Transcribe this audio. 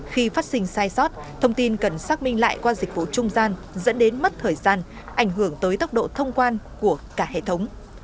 khi phát sinh sai sót thông tin cần xác minh lại qua dịch vụ trung gian dẫn đến mất thời gian ảnh hưởng tới tốc độ thông quan của cả hệ thống